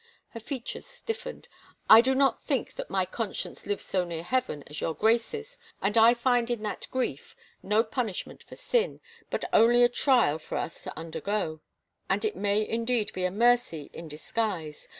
Her features stiffened. " I do think that my con science lives so near Heaven as your Grace's and I find in that grief no punishment for sin, but only a trial for us to undergo. And it may indeed be a mercy in dis guise.